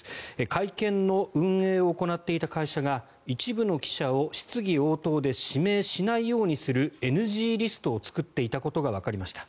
会見の運営を行っていた会社が一部の記者を質疑応答で指名しないようにするＮＧリストを作っていたことがわかりました。